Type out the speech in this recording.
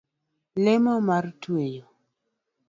Lemo mar tweyo